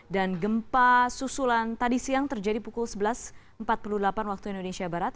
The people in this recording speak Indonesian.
dan gempa susulan tadi siang terjadi pukul sebelas empat puluh delapan waktu indonesia barat